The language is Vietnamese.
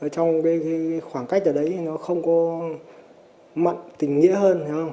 trong khoảng cách ở đấy nó không có mặn tình nghĩa hơn